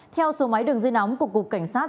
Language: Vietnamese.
theo số máy đường dây nóng của cục cảnh sát